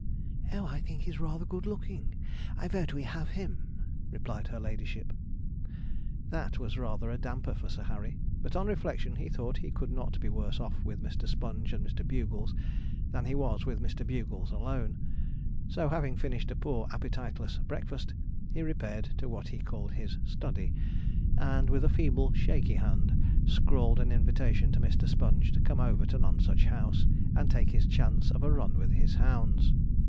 'Oh, I think he's rather good looking; I vote we have him,' replied her ladyship. That was rather a damper for Sir Harry; but upon reflection, he thought he could not be worse off with Mr. Sponge and Mr. Bugles than he was with Mr. Bugles alone; so, having finished a poor appetiteless breakfast, he repaired to what he called his 'study,' and with a feeble, shaky hand, scrawled an invitation to Mr. Sponge to come over to Nonsuch House, and take his chance of a run with his hounds.